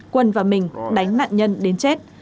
quân và mình đánh nạn nhân đến chết